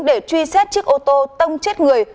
để truy xét chiếc ô tô tông chết người